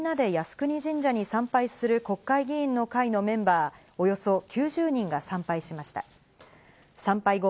こうした中、今朝超党派の「みんなで靖国神社に参拝する国会議員の会」のメンバー、およそ９０人が参拝しました。